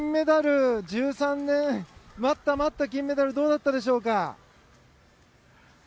１３年待った待った金メダルどうだったでしょうか？